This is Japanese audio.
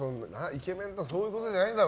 イケメンってそういうことじゃないと。